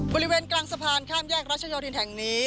บริเวณกลางสะพานข้ามแยกรัชโยธินแห่งนี้